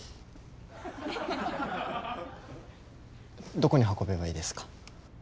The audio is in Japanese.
どこに運べばいいですか？